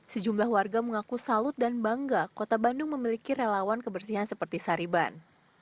sejumlah warga mengaku salut dan bangga kota bandung memiliki relawan kebersihan seperti sariban